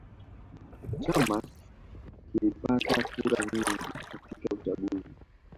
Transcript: Chama kilipata kura nyingi katika uchaguzi